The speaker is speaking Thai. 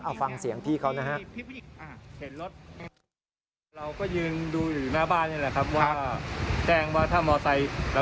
เอาฟังเสียงพี่เขานะฮะ